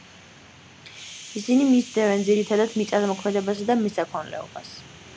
ისინი მისდევენ, ძირითადად, მიწათმოქმედებასა და მესაქონლეობას.